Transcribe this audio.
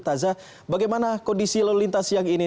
taza bagaimana kondisi lalu lintas siang ini